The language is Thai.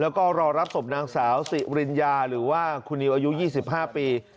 แล้วก็รอรับศพนางสาวสิริญญาหรือว่าคุณนิวอายุ๒๕ปี